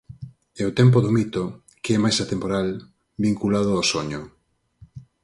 E o tempo do mito, que é máis atemporal, vinculado ao soño.